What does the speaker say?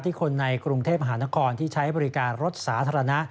คนในกรุงเทพมหานครที่ใช้บริการรถสาธารณะ